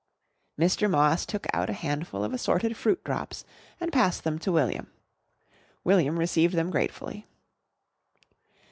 Mr. Moss took out a handful of assorted fruit drops and passed them to William. William received them gratefully.